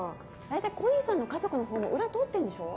大体小西さんの家族の方も裏取ってんでしょ？